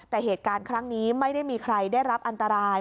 แต่เหตุการณ์ครั้งนี้ไม่ได้มีใครได้รับอันตราย